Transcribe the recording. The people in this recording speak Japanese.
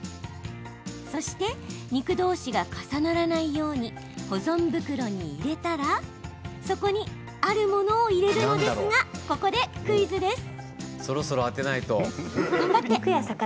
そして肉どうしが重ならないように保存袋に入れたらそこにあるものを入れるのですがここでクイズです。